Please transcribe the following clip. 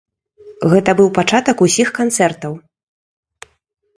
Гэта быў пачатак усіх канцэртаў!